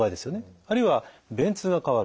あるいは便通が変わる。